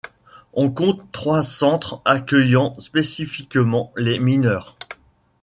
On compte trois centres accueillant spécifiquement les mineurs.